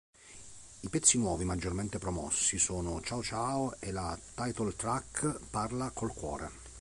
I pezzi nuovi maggiormente promossi sono "Ciao ciao" e la title-track "Parla col cuore".